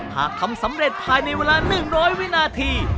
หากทำสำเร็จภายในเวลา๑๐๐วินาที